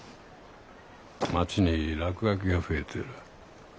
街に落書きが増えてる。